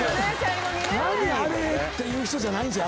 何あれ⁉っていう人じゃないんです。